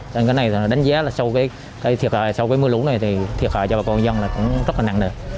cái này đánh giá là sau cái thiệt hại sau cái mưa lũ này thì thiệt hại cho bà con dân là cũng rất là nặng nề